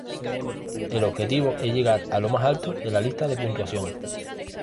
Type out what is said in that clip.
El objetivo es llegar a lo más alto de la lista de puntuación.